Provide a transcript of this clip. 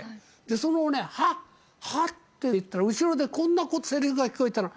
そのはっはっていったら、後ろでこんなセリフが聞こえたの。